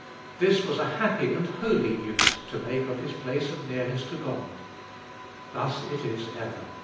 This was a happy and a holy use to make of his place of nearness to God. Thus it is ever.